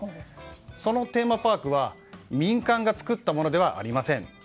そのテーマパークは民間が作ったものではありません。